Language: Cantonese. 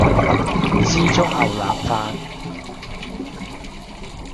枝竹牛腩飯